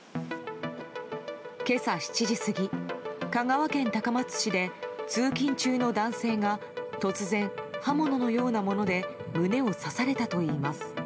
今朝７時過ぎ、香川県高松市で通勤中の男性が突然、刃物のようなもので胸を刺されたといいます。